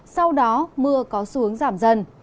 sau đó mưa có xu hướng giảm dần